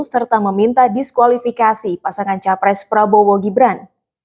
serta meminta diskualifikasi pasangan capres prabowo gibran